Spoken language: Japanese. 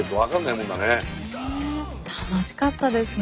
楽しかったですね。